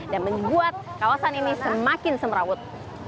dan membuat kawasan ini semakin semraut